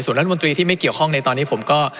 รัฐมนตรีที่ไม่เกี่ยวข้องในตอนนี้ผมก็